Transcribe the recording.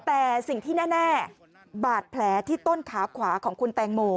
แต่สิ่งที่แน่บาดแผลที่ต้นขาขวาของคุณแตงโม